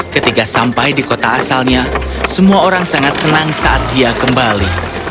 ketika sampai di kota asalnya semua orang sangat senang saat dia kembali